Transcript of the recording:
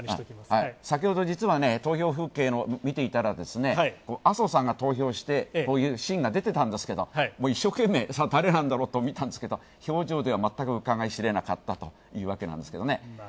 先ほど、実は投票風景を見ていたら麻生さんが投票したというシーンが出てたんですけど、一生懸命、誰なんだろうと見てたんですけど表情では全くうかがい知れなかったというわけなんですけど。